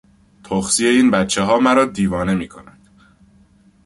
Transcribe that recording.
تخسی این بچهها مرا دیوانه میکند.